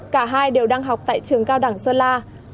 cả hai đều đang học tại trường cao đẳng sơn la